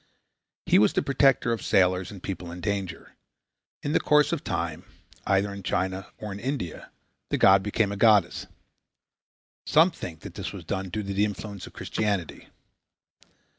He was the protector of sailors and people in danger. In the course of time, either in China or in India, the god became a goddess. Some think that this was due to the influence of Christianity.